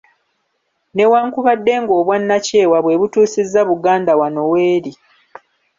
Newankubadde ng’obwannakyewa bwe butuusizza Buganda wano w’eri.